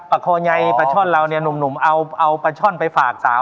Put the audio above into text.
ปะโคไยประชลลนุ้มเอาประชลไปฝากสาว